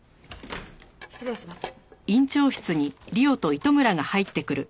失礼します。